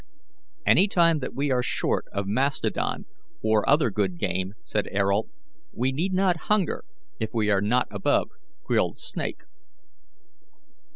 "Any time that we are short of mastodon or other good game," said Ayrault, "we need not hunger if we are not above grilled snake."